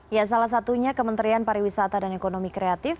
ya salah satunya kementerian pariwisata dan ekonomi kreatif